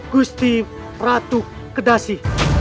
gusti ratu kedasi